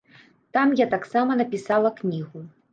Там я таксама напісала кнігу.